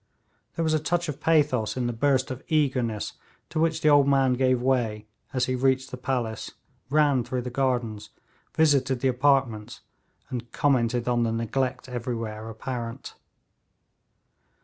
There was a touch of pathos in the burst of eagerness to which the old man gave way as he reached the palace, ran through the gardens, visited the apartments, and commented on the neglect everywhere apparent.